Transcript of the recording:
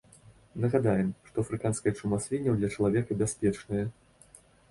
Нагадаем, што афрыканская чума свінняў для чалавека бяспечная.